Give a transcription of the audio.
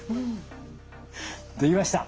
できました。